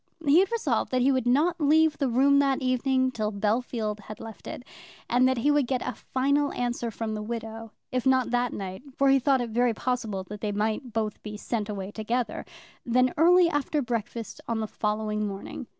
He had resolved that he would not leave the room that evening till Bellfield had left it; and that he would get a final answer from the widow, if not that night, for he thought it very possible that they might both be sent away together, then early after breakfast on the following morning.